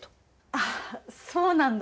あっそうなんだ。